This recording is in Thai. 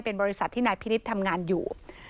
เป็นบริษัทที่นายพินิษฐ์ทำงานอยู่